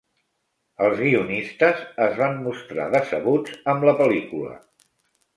Els guionistes es van mostrar decebuts amb la pel·lícula.